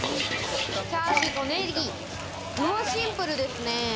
チャーシューとネギ、シンプルですね。